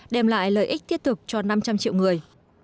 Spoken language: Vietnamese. đem lại lợi ích thiết thực cho năm trăm linh triệu người